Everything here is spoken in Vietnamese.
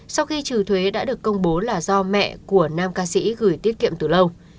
sau khi trừ thuế đã được công bố là do mẹ của nam ca sĩ gửi tiết kiệm từ lâu